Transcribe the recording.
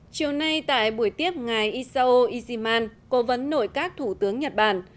chiều nay tại buổi tiếp ngày iso iziman cố vấn nội các thủ tướng nhật bản